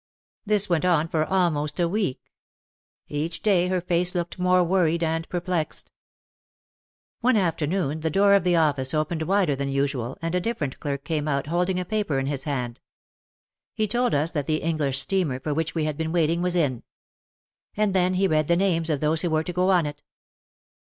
This went on for almost a week. Each day her face looked more worried and perplexed. One afternoon the door of the office opened wider than usual and a different clerk came out holding a paper in his hand. He told us that the English steamer for which we had been waiting was in. And then he read the names of those who were to go on it.